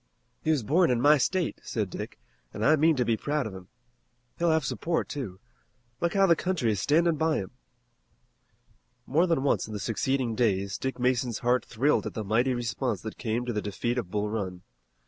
"He was born in my state," said Dick, "and I mean to be proud of him. He'll have support, too. Look how the country is standing by him!" More than once in the succeeding days Dick Mason's heart thrilled at the mighty response that came to the defeat of Bull Run.